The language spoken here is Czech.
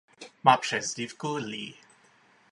Má přezdívku Lee.